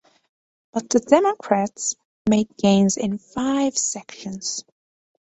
But the Democrats made gains in five sections.